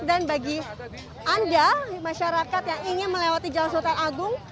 dan bagi anda masyarakat yang ingin melewati jalan sultan agung